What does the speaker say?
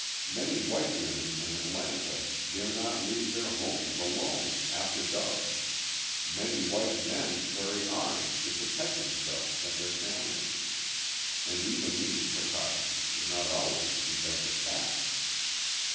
Many white women in Atlanta dare not leave their homes alone after dark; many white men carry arms to protect themselves and their families. And even these precautions do not always prevent attacks.